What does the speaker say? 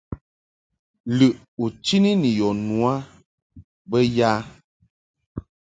Lɨʼ u chini ni yɔ nu a bə ya ?